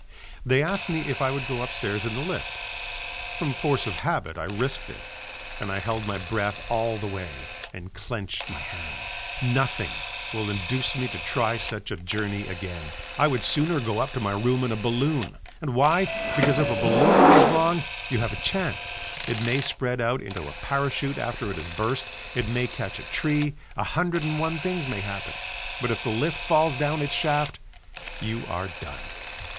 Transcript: They asked me if I would go upstairs in the lift, from force of habit I risked it, and I held my breath all the way and clenched my hands. Nothing will induce me to try such a journey again. I would sooner go up to my room in a balloon. And why? Because if a balloon goes wrong you have a chance, it may spread out into a parachute after it has burst, it may catch in a tree, a hundred and one things may happen, but if the lift falls down its shaft you are done.